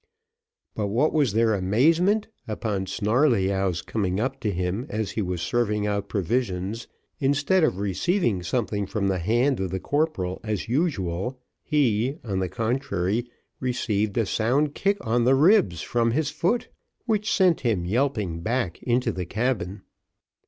But what was their amazement, upon Snarleyyow's coming up to him as he was serving out provisions, instead of receiving something from the hand of the corporal as usual, he, on the contrary, received a sound kick on the ribs from his foot which sent him yelping back into the cabin.